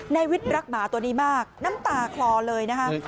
นายวิทย์รักหมาตัวนี้มากน้ำตาคลอเลยนะคะ